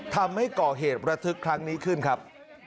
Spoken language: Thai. ทำให้ก่อเหตุระทึกครั้งนี้ขึ้นครับ